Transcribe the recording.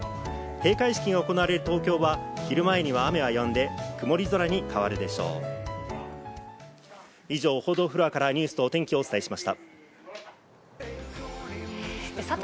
閉会式が行われる東京は昼前には雨はやんで曇り空に変わるでしょう。